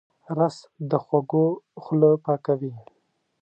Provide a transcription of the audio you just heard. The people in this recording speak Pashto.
رس د خوږو خوله پاکوي